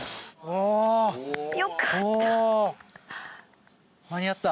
おお間に合った。